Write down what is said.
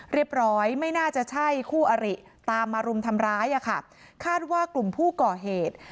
เรียบร้อยไม่น่าจะใช่คู่อริตามมารุมทำร้ายอ่ะค่ะคาดว่ากลุ่มผู้ก่อเหตุ